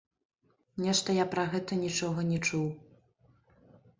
Нешта я пра гэта нічога не чуў.